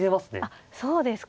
あっそうですか。